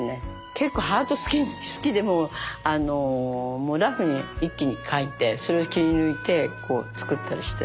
結構ハート好きでもうラフに一気に描いてそれを切り抜いてこう作ったりして。